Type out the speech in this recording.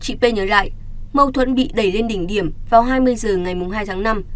chị p nhớ lại mâu thuẫn bị đẩy lên đỉnh điểm vào hai mươi h ngày hai tháng năm